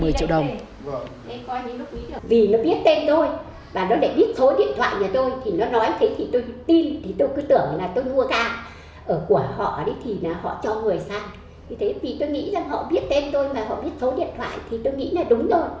vì nó biết tên tôi và nó đã biết số điện thoại nhà tôi thì nó nói thế thì tôi tin